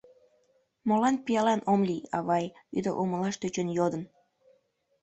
— Молан пиалан ом лий, авай? — ӱдыр умылаш тӧчен йодын.